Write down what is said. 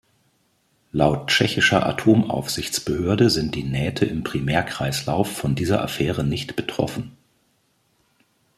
Laut tschechischer Atomaufsichtsbehörde sind die Nähte im Primärkreislauf von dieser Affäre nicht betroffen.